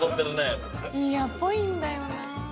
いやっぽいんだよな。